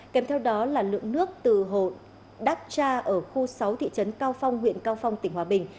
kèm theo đó là lượng nước từ hồ đắc cha ở khu sáu thị trấn cao phong huyện cao phong tỉnh hòa bình